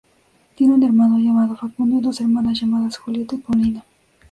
Tiene un hermano llamado Facundo y dos hermanas llamadas Julieta y Paulina.